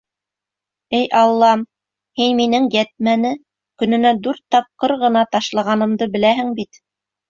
— Эй Аллам, һин минең йәтмәне көнөнә дүрт тапҡыр ғына ташлағанымды беләһең бит.